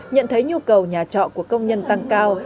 nhận thấy nhu cầu nhà trọ của công nhân tăng cao